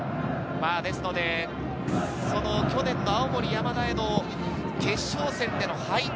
去年の青森山田との決勝戦での敗退。